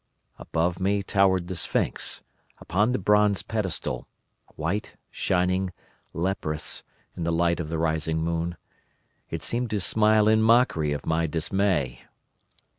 Above me towered the sphinx, upon the bronze pedestal, white, shining, leprous, in the light of the rising moon. It seemed to smile in mockery of my dismay.